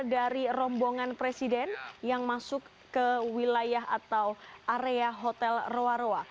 dari rombongan presiden yang masuk ke wilayah atau area hotel roa roa